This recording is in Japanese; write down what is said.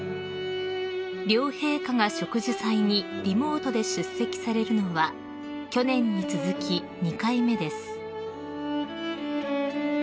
［両陛下が植樹祭にリモートで出席されるのは去年に続き２回目です］